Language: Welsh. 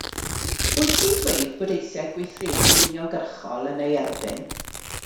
Wyt ti'n dweud bod eisiau gweithredu'n uniongyrchol yn ei erbyn?